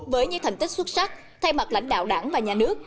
với những thành tích xuất sắc thay mặt lãnh đạo đảng và nhà nước